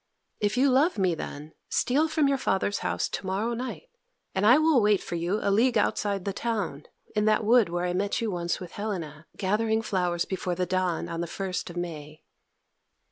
If you love me, then, steal from your father's house to morrow night, and I will wait for you a league outside the town, in that wood where I met you once with Helena, gathering flowers before the dawn on the first of May."